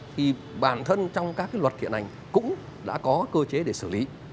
thì bản thân trong các cái luật hiện ảnh cũng đã có cơ chế để xử lý